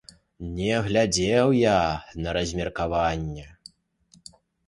Не глядзеў я на размеркаванне.